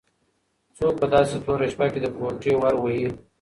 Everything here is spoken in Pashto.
څوک په داسې توره شپه کې د کوټې ور وهي؟